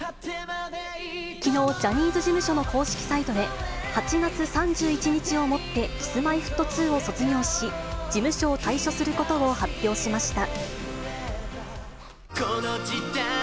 きのう、ジャニーズ事務所の公式サイトで、８月３１日をもってＫｉｓ−Ｍｙ−Ｆｔ２を卒業し、事務所を退所することを発表しました。